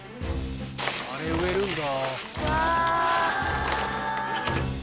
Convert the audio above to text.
あれ植えるんだ。